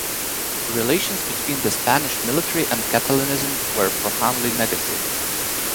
Relations between the Spanish military and Catalanism were profoundly negative.